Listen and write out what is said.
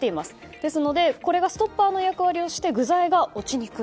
ですのでこれがストッパーの役割をして具材が落ちにくい。